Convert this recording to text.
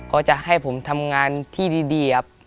ก็จะให้ผมทำงานที่ดีครับ